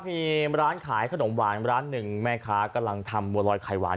มีร้านขายขนมหวานร้านหนึ่งแม่ค้ากำลังทำบัวลอยไข่หวาน